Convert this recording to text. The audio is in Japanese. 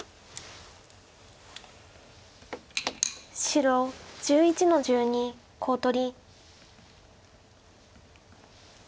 白１１の十二コウ取り。